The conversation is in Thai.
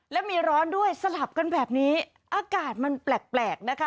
และมีร้อนด้วยสลับกันแบบนี้อากาศมันแปลกนะคะ